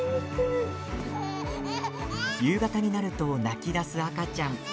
夕方になると泣きだす赤ちゃん。